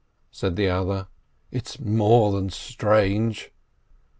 said the other. "It's more than strange."